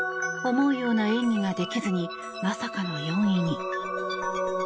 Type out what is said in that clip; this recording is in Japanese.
思うような演技ができずにまさかの４位に。